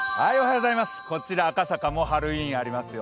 こちら赤坂もハロウィーンありますよ。